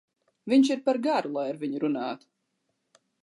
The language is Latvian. Viņš ir par garu, lai ar viņu runātu.